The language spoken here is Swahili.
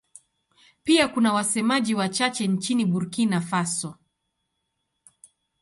Pia kuna wasemaji wachache nchini Burkina Faso.